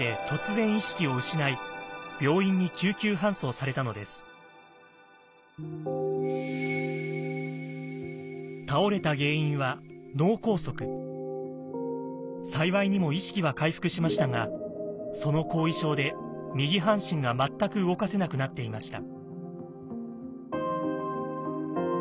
従業員の前で突然倒れた原因は幸いにも意識は回復しましたがその後遺症で右半身が全く動かせなくなっていました。